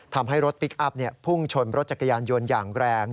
ทำให้รถพลิกอัพพุ่งชนรถจักรยานยนต์อย่างแรง